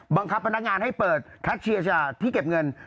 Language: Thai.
บังคับพนักงานให้เปิดทัชเชียร์ชาติที่เก็บเงิน